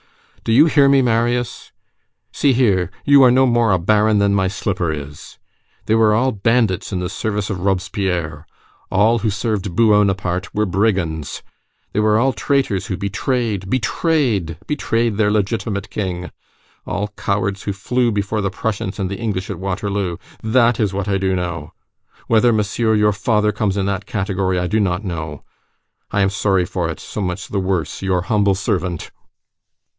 Do you hear me, Marius! See here, you are no more a baron than my slipper is! They were all bandits in the service of Robespierre! All who served B u o naparté were brigands! They were all traitors who betrayed, betrayed, betrayed their legitimate king! All cowards who fled before the Prussians and the English at Waterloo! That is what I do know! Whether Monsieur your father comes in that category, I do not know! I am sorry for it, so much the worse, your humble servant!"